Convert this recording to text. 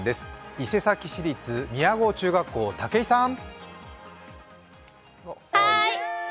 伊勢崎市立宮郷中学校、武井さん。